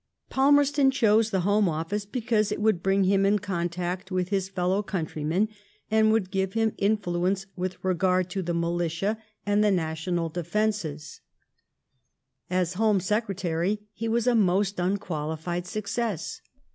Palmerston chose the Home Office because it would bring him in contact with his fellow countrymeBi^and would give him influence with regard to the militia and the THE ABERDEEN MINI8TEY. 147 national defences ; and as Home Secretary he was a most unqualified success.